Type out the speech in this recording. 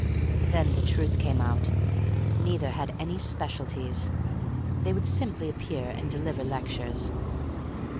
Then the truth came out. Neither had any specialities; they would simply appear and deliver lectures.